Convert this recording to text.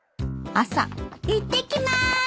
いってきまーす！